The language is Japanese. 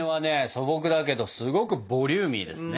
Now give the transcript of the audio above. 素朴だけどすごくボリューミーですね。